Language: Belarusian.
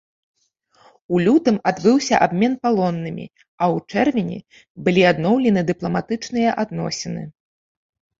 У лютым адбыўся абмен палоннымі, а ў чэрвені былі адноўлены дыпламатычныя адносіны.